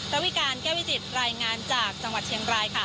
ระวิการแก้วิจิตรายงานจากจังหวัดเชียงรายค่ะ